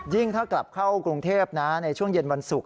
ถ้ากลับเข้ากรุงเทพในช่วงเย็นวันศุกร์